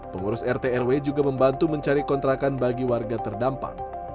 pengurus rt rw juga membantu mencari kontrakan bagi warga terdampak